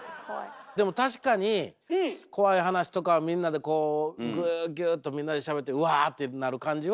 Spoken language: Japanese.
でも確かに怖い話とかみんなでこうぐっぎゅっとみんなでしゃべってうわ！ってなる感じは。